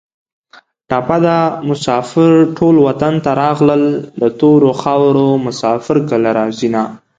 ټپه ده: مسافر ټول وطن ته راغلل د تورو خارو مسافر کله راځینه